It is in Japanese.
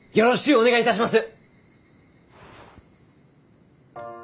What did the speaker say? お願いいたします！